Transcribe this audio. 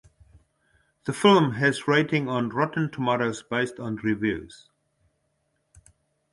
The film has rating on Rotten Tomatoes based on reviews.